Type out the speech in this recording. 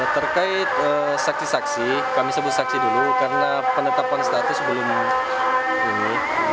terkait saksi saksi kami sebut saksi dulu karena penetapan status belum ini